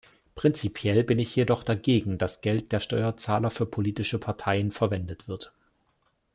Prinzipiell bin ich jedoch dagegen, dass Geld der Steuerzahler für politische Parteien verwendet wird.